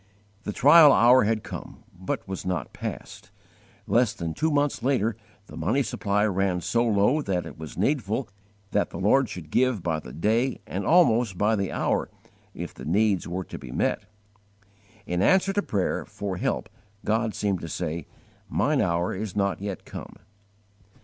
The trial hour had come, but was not past. Less than two months later the money supply ran so low that it was needful that the Lord should give by the day and almost by the hour if the needs were to be met. In answer to prayer for help God seemed to say, "Mine hour is not yet come."